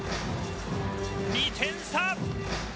２点差。